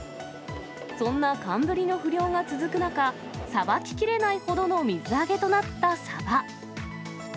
そんな寒ブリの不漁が続く中、サバききれないほどの水揚げとなったサバ。